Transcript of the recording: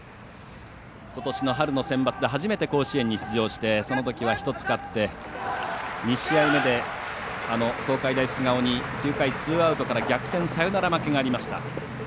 ことしの春のセンバツで初めて甲子園に出場してそのときは１つ勝って、２試合目で東海大菅生に９回ツーアウトから逆転サヨナラ負けがありました。